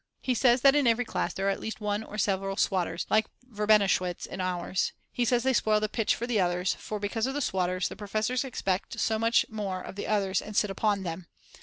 He says that in every class there are at least 1 or several swotters, like Verbenowitsch in ours, he says they spoil the pitch for the others, for, because of the swotters, the professors expect so much more of the others and sit upon them.